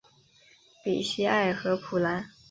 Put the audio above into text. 比西埃和普兰。